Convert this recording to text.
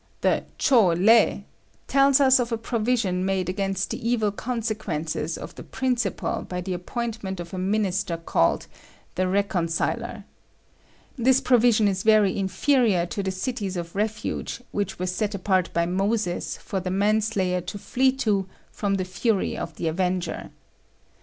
The 'Chow Le' tells us of a provision made against the evil consequences of the principle by the appointment of a minister called 'The Reconciler.' The provision is very inferior to the cities of refuge which were set apart by Moses for the manslayer to flee to from the fury of the avenger.